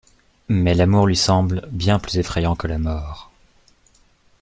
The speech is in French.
Mais l’amour lui semble bien plus effrayant que la mort…